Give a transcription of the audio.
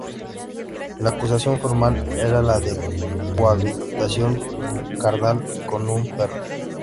La acusación formal era la de cohabitación carnal con un perro.